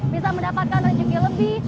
bisa mendapatkan rezeki lebih